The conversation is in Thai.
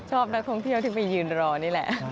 ชอบนักท่องเที่ยวที่ไปยืนรอนี่แหละ